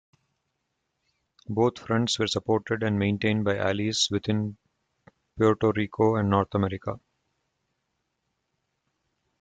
Both fronts were supported and maintained by allies within Puerto Rico and North America.